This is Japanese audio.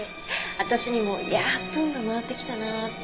私にもやっと運が回ってきたなあって。